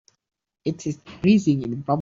is it freezing in Prompton